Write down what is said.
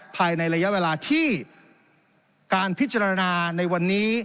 ภายในระยะเวลาที่การพิจารณาในวันนี้